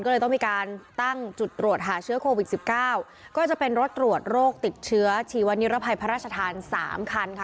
ก็เลยต้องมีการตั้งจุดตรวจหาเชื้อโควิดสิบเก้าก็จะเป็นรถตรวจโรคติดเชื้อชีวนิรภัยพระราชทานสามคันค่ะ